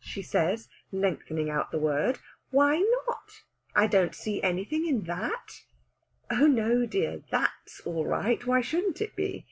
she says, lengthening out the word, "why not? I don't see anything in that!" "Oh no, dear that's all right! Why shouldn't it be?"